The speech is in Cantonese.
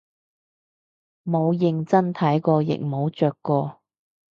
冇認真睇過亦冇着過